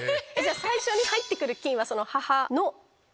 最初に入ってくる菌は母の。